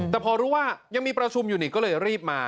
แต่พอรู้ว่ายังมีประชุมอยู่นี่ก็เลยรีบมา